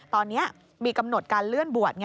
ตอนนี้มีกำหนดการเลื่อนบวช